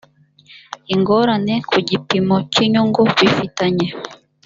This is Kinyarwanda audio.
ingorane ku gipimo cy inyungu bifitanye